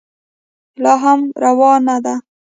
لا هم روانه ده.